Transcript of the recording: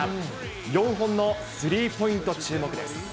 ４本のスリーポイント、注目です。